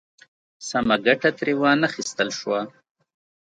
سمه ګټه ترې وا نخیستل شوه.